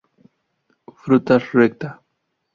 Frutas recta.